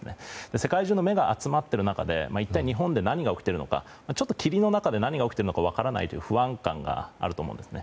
世界中の目が集まっている中で一体日本で何が起きているのかちょっと霧の中で何が起きているのか分からない不安感があると思うんですね。